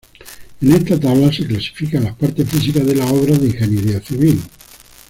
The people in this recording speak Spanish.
En esta tabla se clasifican las partes físicas de las obras de Ingeniería Civil.